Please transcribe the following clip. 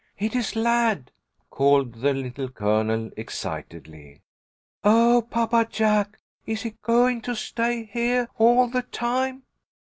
"It is Lad!" called the Little Colonel, excitedly. "Oh, Papa Jack! Is he goin' to stay heah all the time?"